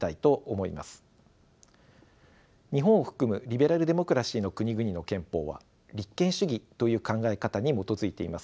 日本を含むリベラルデモクラシーの国々の憲法は立憲主義という考え方に基づいています。